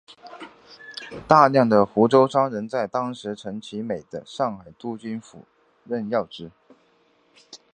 大量的湖州商人在当时陈其美的上海督军府任要职。